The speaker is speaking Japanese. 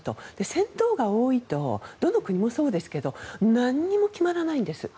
船頭が多いとどの国もそうですけど何も決まらないんです。